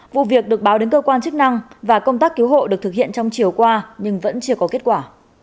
vụ việc được báo đến cơ quan chức năng và công tác cứu hộ được thực hiện trong chiều qua nhưng vẫn chưa có kết quả